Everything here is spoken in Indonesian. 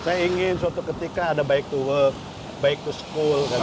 saya ingin suatu ketika ada baik to work baik to school